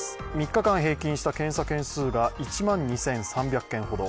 ３日間平均した検査件数が１万２８００件ほど。